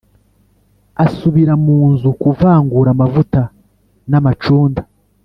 asubira munzu kuvangura amavuta na macunda